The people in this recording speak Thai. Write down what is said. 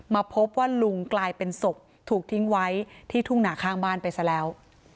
มาพบว่าลุงกลายเป็นศพถูกทิ้งไว้ที่ทุ่งหนาข้างบ้านไปซะแล้ว